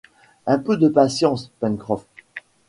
Un peu de patience, Pencroff !